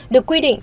được quy định